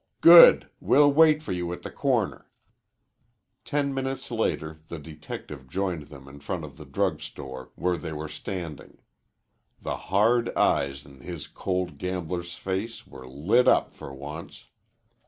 "Good. We'll wait for you at the corner." Ten minutes later the detective joined them in front of the drug store where they were standing. The hard eyes in his cold gambler's face were lit up for once.